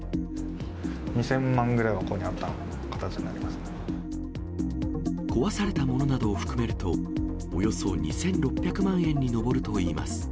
２０００万ぐらいはここにあ壊されたものなどを含めると、およそ２６００万円に上るといいます。